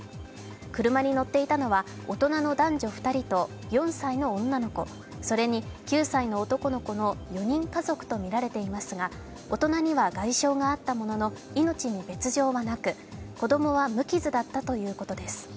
車に乗っていたのは大人の男女２人と４歳の女の子それに９歳の男の子の４人家族とみられていますが、大人には外傷があったものの命に別状はなく子供は無傷だったということです。